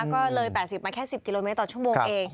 ก็เลย๘๐มาแค่๑๐กิโลเมตรต่อชั่วโมงเอง